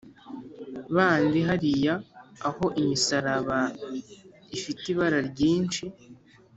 kandi hariya aho imisaraba ifite ibara ryinshi,